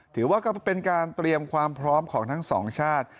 ถือว่าเป็นการเตรียมความพร้อมของทั้งสองชาติ